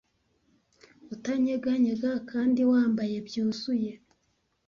utanyeganyega kandi wambaye byuzuye